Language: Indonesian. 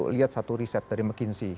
lihat satu riset dari mckinzi